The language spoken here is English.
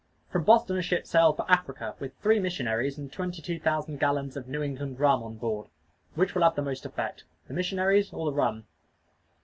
From Boston a ship sailed for Africa, with three missionaries, and twenty two thousand gallons of New England rum on board. Which will have the most effect: the missionaries, or the rum?